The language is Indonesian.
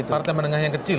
partai menengah yang kecil